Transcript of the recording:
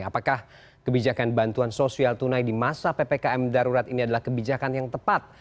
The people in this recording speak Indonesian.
apakah kebijakan bantuan sosial tunai di masa ppkm darurat ini adalah kebijakan yang tepat